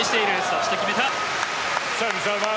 そして決めた。